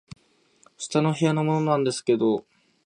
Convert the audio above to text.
「下の部屋のものなんですけど」